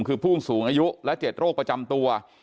คือผู้สูงอายุและ๗โรคประจำตัว